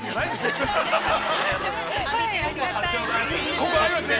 ◆ここ合いますね。